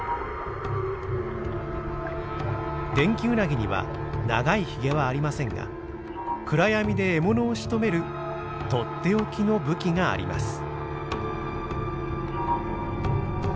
デンキウナギには長いヒゲはありませんが暗闇で獲物をしとめるとっておきの武器があります。